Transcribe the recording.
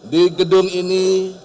di gedung ini